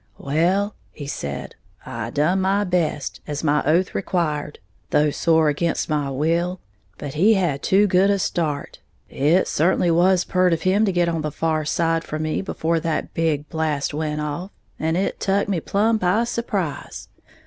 "Well," he said, "I done my best, as my oath required, though sore again' my will. But he had too good a start. It certainly was pyeert of him to get on the far side from me before that big blast went off; and it tuck me plumb by surprise.